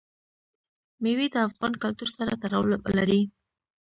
مېوې د افغان کلتور سره تړاو لري.